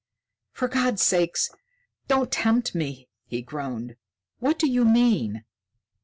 "For God's sake, don't tempt me!" he groaned. "What do you mean?"